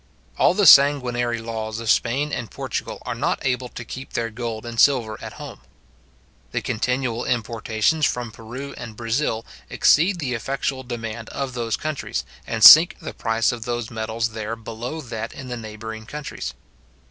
All the sanguinary laws of Spain and Portugal are not able to keep their gold and silver at home. The continual importations from Peru and Brazil exceed the effectual demand of those countries, and sink the price of those metals there below that in the neighbouring countries.